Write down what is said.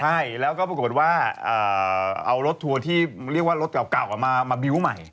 ใช่แล้วก็ปรากฏว่าเอารถทัวร์ที่เรียกว่ารถเก่ามาบิวต์ใหม่